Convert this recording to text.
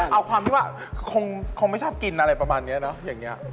เอาความที่ว่าคงไม่ชอบกินอะไรประมาณนี้นะ